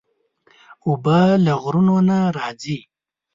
اوبه له غرونو نه راځي.